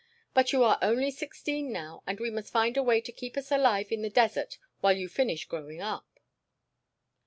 But you are only sixteen now, and we must find a way to keep us alive in the desert while you finish growing up."